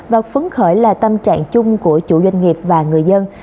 và phấn khởi là tâm trạng chung của chủ doanh nghiệp và người dân